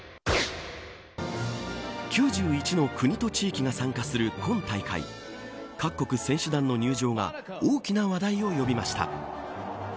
９１の国と地域が参加する今大会各国選手団の入場が大きな話題を呼びました。